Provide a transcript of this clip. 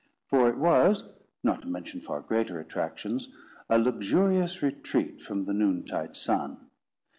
For it was, not to mention far greater attractions, a luxurious retreat from the noontide sun.